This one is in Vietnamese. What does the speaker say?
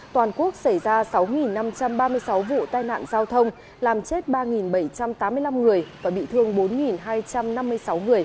toàn quốc xảy ra sáu năm trăm ba mươi sáu vụ tai nạn giao thông làm chết ba bảy trăm tám mươi năm người và bị thương bốn hai trăm năm mươi sáu người